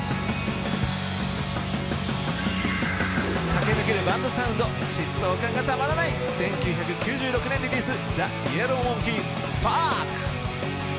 駆け抜けるバンドサウンド、疾走感がたまらない、１９９６年リリース、ＴＨＥＹＥＬＬＯＷＭＯＮＫＥＹ「ＳＰＡＲＫ」。